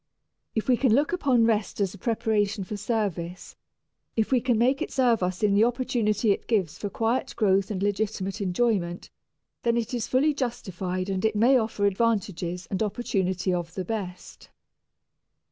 If we can look upon rest as a preparation for service, if we can make it serve us in the opportunity it gives for quiet growth and legitimate enjoyment, then it is fully justified and it may offer advantages and opportunity of the best.